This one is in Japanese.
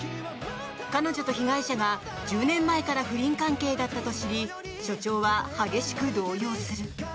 彼女と被害者が１０年前から不倫関係だったと知り署長は激しく動揺する。